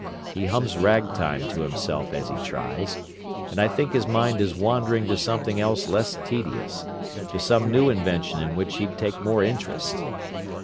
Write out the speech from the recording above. He hums ragtime to himself as he tries, and I think his mind is wandering to something else less tedious—to some new invention in which he'd take more interest."